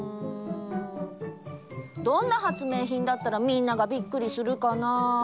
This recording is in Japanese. どんな発明品だったらみんながびっくりするかな。